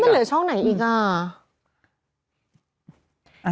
มันเหลือช่องไหนอีกอ่ะ